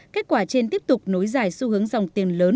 kết quả trên tiếp tục nối dài xu hướng dòng tiền lớn